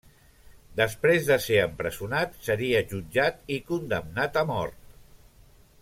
Després de ser empresonat, seria jutjat i condemnat a mort.